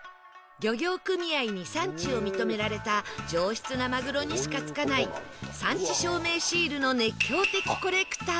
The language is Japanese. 漁業組合に産地を認められた上質なマグロにしか付かない産地証明シールの熱狂的コレクター